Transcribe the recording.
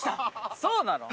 そうなの？